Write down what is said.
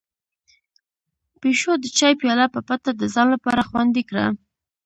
پيشو د چای پياله په پټه د ځان لپاره خوندي کړه.